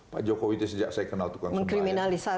pak jokowi itu sejak saya kenal tukang sembah